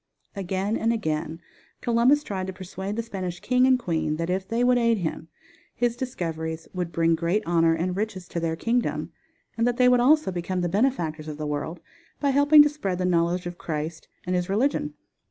Again and again Columbus tried to persuade the Spanish king and queen that if they would aid him, his discoveries would bring great honor and riches to their kingdom, and that they would also become the benefactors of the world by helping to spread the knowledge of Christ and His religion.